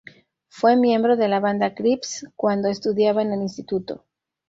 Fue miembro de la banda Crips cuando estudiaba en el instituto.